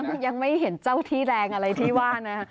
ยังไม่เห็นเจ้าที่แรงอะไรที่ว่านะ